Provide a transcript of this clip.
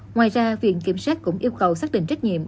ngoài ra viện kiểm sát cũng yêu cầu xác định trách nhiệm